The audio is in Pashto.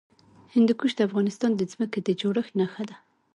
هندوکش د افغانستان د ځمکې د جوړښت نښه ده.